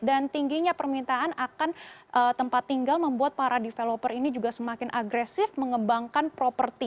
dan tingginya permintaan akan tempat tinggal membuat para developer ini juga semakin agresif mengembangkan properti